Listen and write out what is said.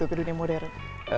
untuk dunia modern